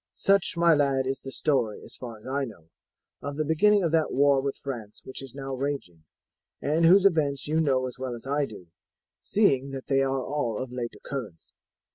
Such, my lad, is the story, as far as I know, of the beginning of that war with France which is now raging, and whose events you know as well as I do, seeing that they are all of late occurrence.